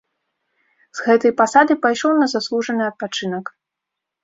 З гэтай пасады пайшоў на заслужаны адпачынак.